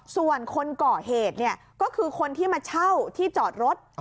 ส่วนคนก่อเหตุเนี่ยก็คือคนที่มาเช่าที่จอดรถ